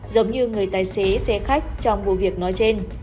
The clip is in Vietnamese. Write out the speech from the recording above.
giống như người tài xế xe khách trong vụ việc nói trên